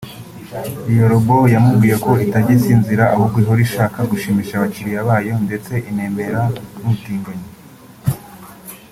Iyi robo yamubwiye ko itajya isinzira ahubwo ihora ishaka gushimisha abakiriya bayo ndetse inemera n’ubutinganyi